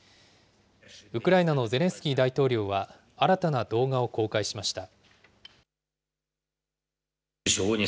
ウクライナのゼレンスキー大統領は、新たな動画を公開しました。